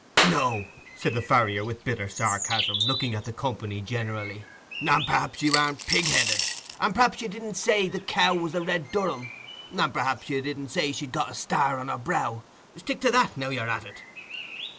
"No," said the farrier, with bitter sarcasm, looking at the company generally; "and p'rhaps you aren't pig headed; and p'rhaps you didn't say the cow was a red Durham; and p'rhaps you didn't say she'd got a star on her brow—stick to that, now you're at it."